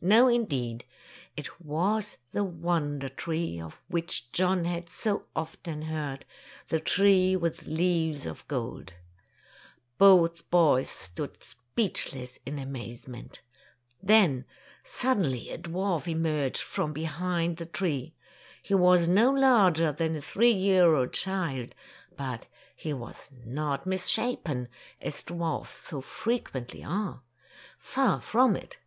No, indeed! It was the wonder tree of which John had so often heard, the tree with leaves of gold. 44 Tales of Modern Germany Both boys stood speechless in amazement. Then suddenly a dwarf emerged from be hind the tree. He was no larger than a three year old child, but he was not mis shapen, as dwarfs so frequently are. Far from it.